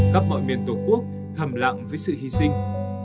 các bãi miền tổ quốc thầm lặng với sự hy sinh